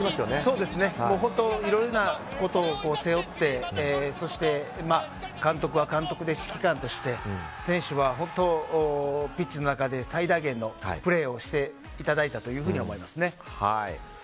いろいろなことを背負ってそして、監督は監督で指揮官として選手は本当、ピッチの中で最大限のプレーをしていただいたと思いますね。